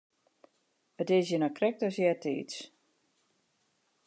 It is hjir noch krekt as eartiids.